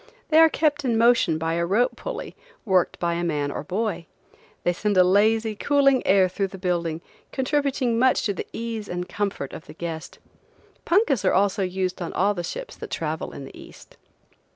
They are kept in motion by a rope pulley, worked by a man or boy. They send a lazy, cooling air through the building, contributing much to the ease and comfort of the guest. Punkas are also used on all the ships that travel in the East.